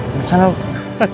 duduk sana lo